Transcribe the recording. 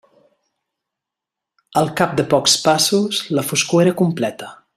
Al cap de pocs passos la foscor era completa.